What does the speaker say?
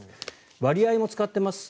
割合も使っています。